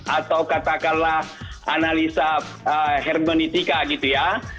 atau katakanlah analisa hermenitika gitu ya